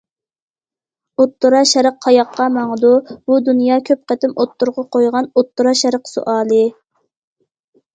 ئوتتۇرا شەرق قاياققا ماڭىدۇ؟ بۇ دۇنيا كۆپ قېتىم ئوتتۇرىغا قويغان« ئوتتۇرا شەرق سوئالى».